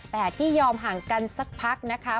แต่ที่ยอมห่างกันสักพักนะคะ